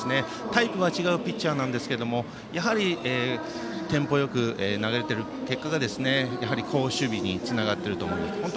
タイプが違うピッチャーなんですがテンポよく投げている結果が好守備につながっていると思います。